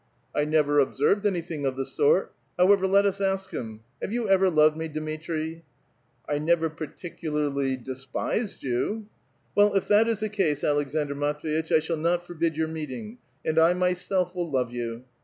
"I never observed anything of the sort. However, let us ask him. — Have you ever loved me, Dmitri ?"" I never particularly despised you !" "Well, if that is the case, Aleksandr Matv^itch, I shall not forbid your meeting, and I myself will love you